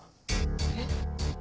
えっ？